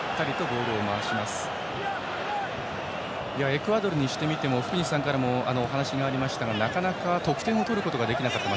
エクアドルにしてみても福西さんからも話がありましたがなかなか得点を取ることができなかった。